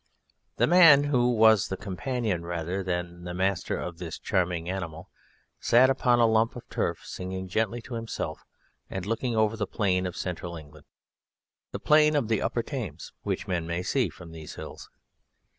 The man who was the companion rather than the master of this charming animal sat upon a lump of turf singing gently to himself and looking over the plain of Central England, the plain of the Upper Thames, which men may see from these hills.